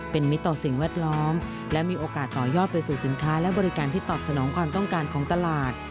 เป็นมิตรต่อสิ่งแวดล้อมและมีโอกาสต่อยอดไปสู่สินค้าและบริการที่ตอบสนองความต้องการของตลาด